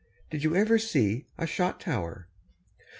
Did you ever see a shot tower?